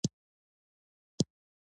هغه باید وڅښي او ښه خوب وکړي.